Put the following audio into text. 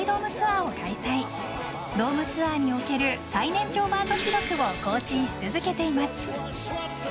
［ドームツアーにおける最年長バンド記録を更新し続けています］